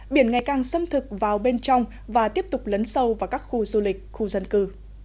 biển ngày càng xâm thực vào bên trong và tiếp tục lấn sâu vào các khu du lịch khu dân cư